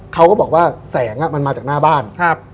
เขาก็บอกว่าแสงมันมาจากหน้าบ้าน